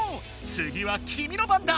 つぎはきみの番だ！